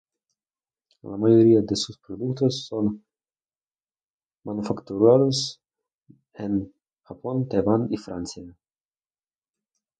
La mayoría de sus productos son manufacturados en Japón, Taiwán y Francia.